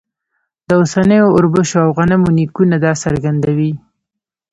د اوسنیو اوربشو او غنمو نیکونه دا څرګندوي.